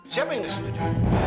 siapa yang sudah setuju